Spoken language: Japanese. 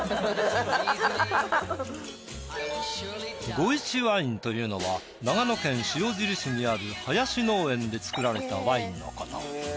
五一わいんというのは長野県塩尻市にある林農園で造られたワインのこと。